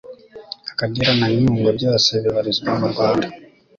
Akagera na Nyungwe byose bibarizwa m' u Rwanda